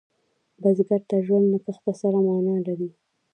بزګر ته ژوند له کښت سره معنا لري